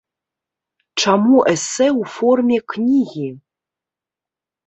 Чаму эсэ ў форме кнігі?